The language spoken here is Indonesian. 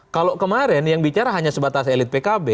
kalau kemarin yang bicara hanya sebatas elit pkb